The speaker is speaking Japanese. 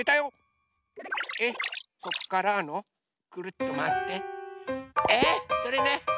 えっそっからのくるっとまわってえ⁉それね。